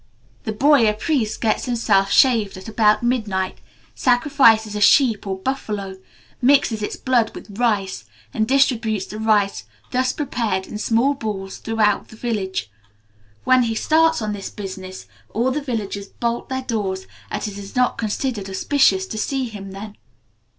The Boya priest gets himself shaved at about midnight, sacrifices a sheep or buffalo, mixes its blood with rice, and distributes the rice thus prepared in small balls throughout the village. When he starts on this business, all the villagers bolt their doors, as it is not considered auspicious to see him then.